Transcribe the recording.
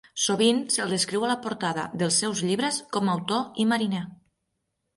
Sovint se'l descriu a la portada dels seus llibres com "autor i mariner".